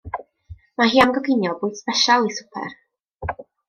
Mae hi am goginio bwyd sbesial i swper.